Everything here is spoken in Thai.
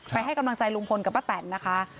ให้กำลังใจลุงพลกับป้าแตนนะคะ